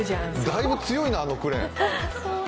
だいぶ強いな、あのクレーン。